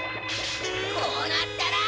こうなったら！